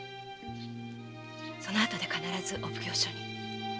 そのあとで必ずお奉行所に。